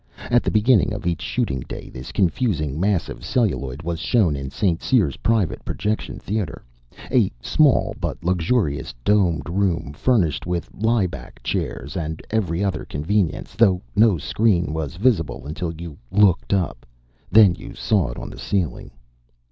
At the beginning of each shooting day, this confusing mass of celluloid was shown in St. Cyr's private projection theater, a small but luxurious domed room furnished with lie back chairs and every other convenience, though no screen was visible until you looked up. Then you saw it on the ceiling.